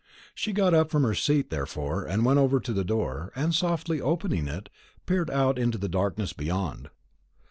She got up from her seat therefore, went over to the door, and, softly opening it, peered out into the darkness beyond.